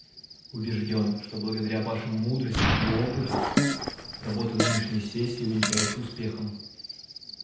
Убежден, что благодаря Вашим мудрости и опыту работа нынешней сессии увенчается успехом.